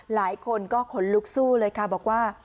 หลายคนก็ขนลุกสู้เลยค่ะบอกว่า